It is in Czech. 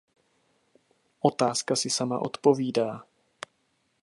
Otázka si sama odpovídá.